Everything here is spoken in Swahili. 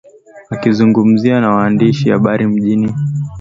Akizungumza na waandishi habari mjini Kigali